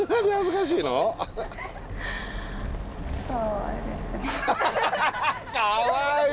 かわいい！